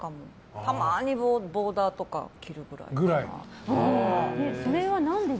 たまにボーダーとか着るぐらいかな。